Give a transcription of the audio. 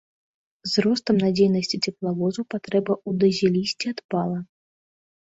З ростам надзейнасці цеплавозаў патрэба ў дызелісце адпала.